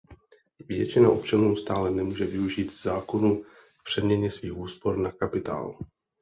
Většina občanů stále nemůže využít zákonů k přeměně svých úspor na kapitál.